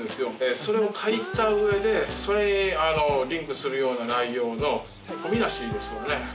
それを書いたうえでそれリンクするような内容の小見出しですよね